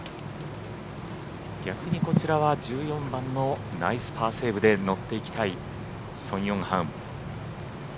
逆にこちらは１４番のナイスパーセーブで乗っていきたいソン・ヨンハン。